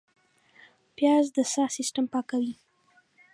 پیاز د ساه سیستم پاکوي